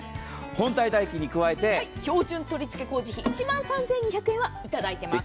本体ダイキンに加えて標準取りつけ工事１万３２００円はいただいています。